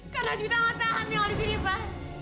karena juwita gak tahan yang lebih hebat